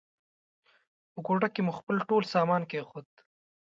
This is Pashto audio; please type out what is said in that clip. په کوټه کې مو خپل ټول سامان کېښود.